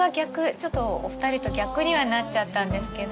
ちょっとお二人と逆にはなっちゃったんですけど。